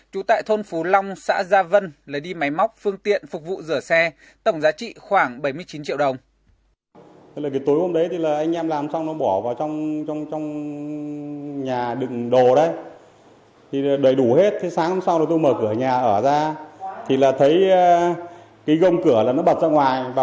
trú tại thôn phú long xã gia vân lấy đi máy móc phương tiện phục vụ rửa xe tổng giá trị khoảng bảy mươi chín triệu đồng